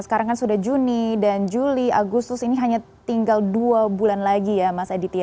sekarang kan sudah juni dan juli agustus ini hanya tinggal dua bulan lagi ya mas aditya